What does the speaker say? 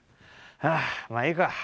あまあいいか。